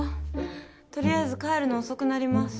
とりあえず帰るの遅くなります。